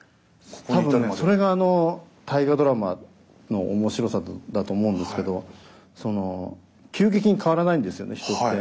多分それが「大河ドラマ」の面白さだと思うんですけど急激に変わらないんですよね人って。